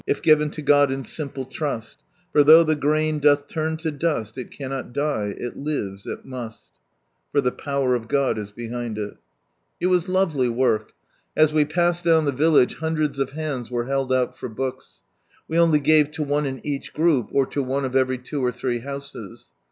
If given to God in simple trast. For though tlic grain dolh lum to dost It cannot die. It lives, it niiut," — for the Power of God is behind it. It was lovely work. As we passed down the village hundreds of hands were held out for books : we only gave to one in every group, or to one of every two or three houses.